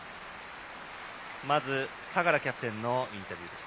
まず、相良キャプテンのインタビューでした。